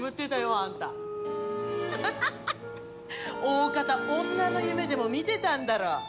大方女の夢でも見てたんだろ？